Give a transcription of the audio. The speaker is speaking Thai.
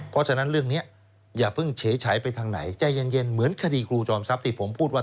เพราะฉะนั้นเรื่องนี้อย่าเพิ่งเฉยไปทางไหนใจเย็นเหมือนคดีครูจอมทรัพย์ที่ผมพูดว่า